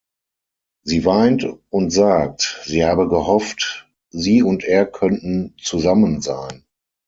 Sie weint und sagt, sie habe gehofft, sie und er könnten zusammen sein.